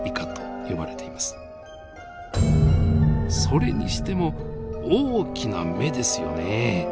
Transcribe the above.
それにしても大きな目ですよね。